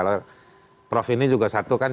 oleh prof ini juga satu kan